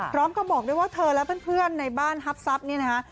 พร้อมกับบอกด้วยว่าเธอและเพื่อนในบ้านฮับทรัพย์นี่นะคะ